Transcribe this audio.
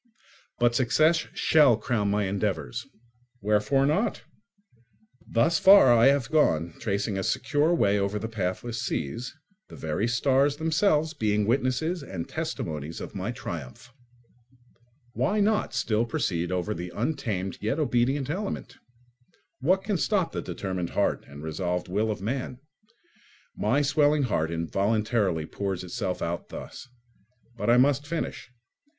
But success shall crown my endeavours. Wherefore not? Thus far I have gone, tracing a secure way over the pathless seas, the very stars themselves being witnesses and testimonies of my triumph. Why not still proceed over the untamed yet obedient element? What can stop the determined heart and resolved will of man? My swelling heart involuntarily pours itself out thus. But I must finish.